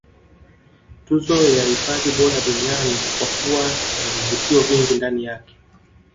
Tuzo ya hifadhi bora duniani kwa kuwa na vivutio vingi ndani yake